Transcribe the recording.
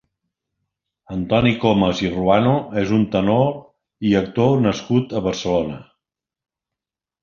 Antoni Comas i Ruano és un tenor i actor nascut a Barcelona.